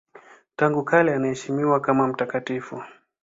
Tangu kale anaheshimiwa kama mtakatifu.